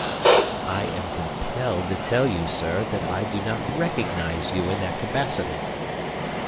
"I am compelled to tell you, sir, that I do not recognize you in that capacity."